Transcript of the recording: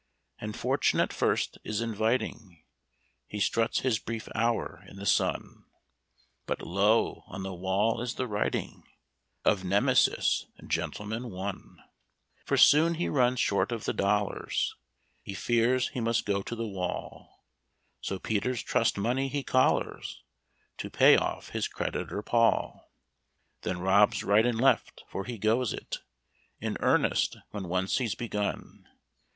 And fortune at first is inviting He struts his brief hour in the sun But, lo! on the wall is the writing Of Nemesis, "Gentleman, One". For soon he runs short of the dollars, He fears he must go to the wall; So Peter's trust money he collars To pay off his creditor, Paul; Then robs right and left for he goes it In earnest when once he's begun.